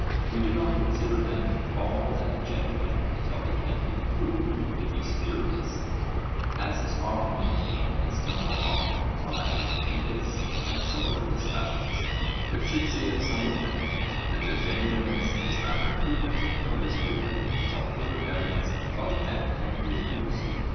We do not consider them all as genuine until they can be proved to be spurious, as is often maintained and still more often implied in this and similar discussions; but should say of some of them, that their genuineness is neither proven nor disproven until further evidence about them can be adduced.